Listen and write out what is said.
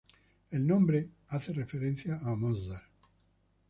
El nombre hace referencia a Mozart.